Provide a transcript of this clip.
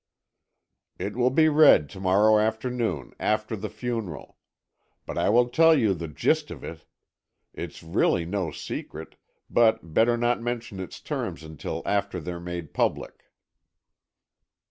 "It will be read to morrow afternoon, after the funeral. But I will tell you the gist of it. It's really no secret, but better not mention its terms until after they're made public."